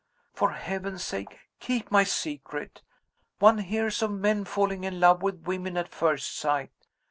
For heaven's sake keep my secret. One hears of men falling in love with women at first sight.